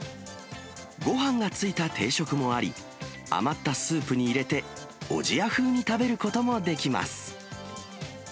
ごはんが付いた定食もあり、余ったスープに入れておじや風に食べることもできます。